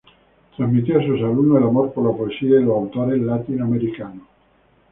Transmitió a sus alumnos el amor por la poesía y los autores latinoamericanos.